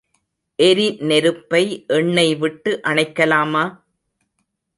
எரிநெருப்பை எண்ணெய் விட்டு அணைக்கலாமா?